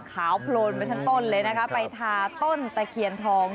ขาวโพลนไปทั้งต้นเลยนะคะไปทาต้นตะเคียนทอง